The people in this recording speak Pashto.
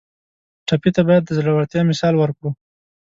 ټپي ته باید د زړورتیا مثال ورکړو.